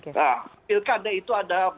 nah pilkada itu ada